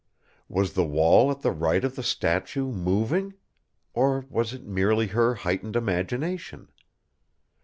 Was the wall at the right of the statue moving? Or was it merely her heightened imagination?